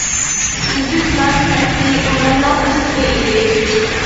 سۈزۈك ناز ئەسلى ئۇلارنىڭ باشلىقى ئىدى.